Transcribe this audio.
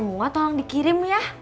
kamu mau tolong dikirim ya